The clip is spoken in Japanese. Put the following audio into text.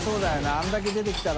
あれだけ出てきたら。